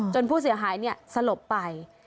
จนผู้เสียหายเนี่ยสลบไป